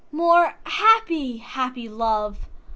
more happy, happy love!